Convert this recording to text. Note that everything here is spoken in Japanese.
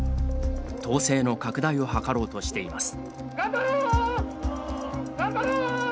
党勢の拡大を図ろうとしています。